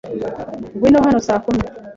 Ngwino hano saa kumi.